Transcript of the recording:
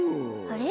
あれ？